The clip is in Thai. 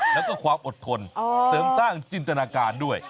แล้วก็ความอดทนเสริมสร้างจินตนาการด้วย